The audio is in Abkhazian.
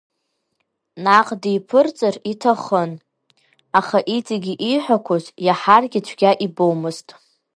Наҟ диԥырҵыр иҭахын, аха иҵегьы ииҳәақәоз иаҳаргьы цәгьа ибомызт.